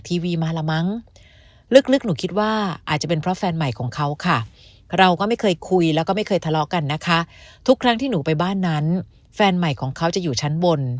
ทุกครั้งที่หนูไปบ้านนั้นแฟนใหม่ของเขาจะอยู่ชั้นบน